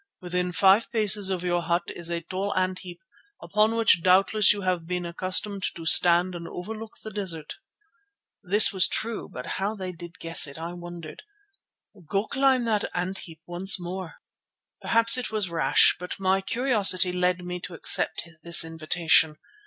Within five paces of your hut is a tall ant heap upon which doubtless you have been accustomed to stand and overlook the desert." (This was true, but how did they guess it, I wondered.) "Go climb that ant heap once more." Perhaps it was rash, but my curiosity led me to accept this invitation.